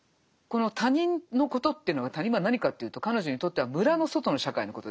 この「他人のこと」というのが「他人」は何かというと彼女にとっては村の外の社会のことですよね。